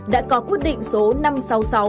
đã có quyết định số năm trăm sáu mươi sáu